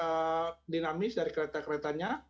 dan juga uji dinamis dari kereta keretanya